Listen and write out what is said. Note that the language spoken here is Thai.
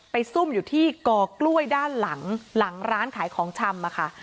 ซุ่มอยู่ที่กอกล้วยด้านหลังหลังร้านขายของชำอะค่ะ